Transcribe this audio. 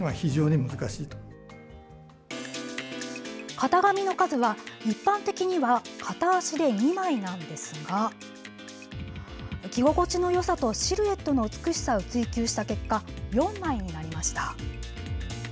型紙の数は一般的には片足で２枚なんですが着心地のよさとシルエットの美しさを追求した結果、４枚になりました。